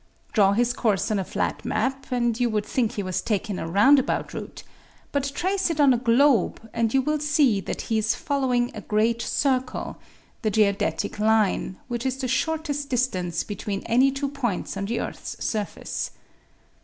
Draw his course on a flat map and you would think he was taking a roundabout route, but trace it on a globe and you will see that he is following a great circle, the geodetic line, which is the shortest distance between any two points on the earth's surface.